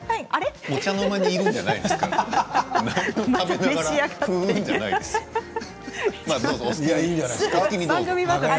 お茶の間にいるんじゃないんですから。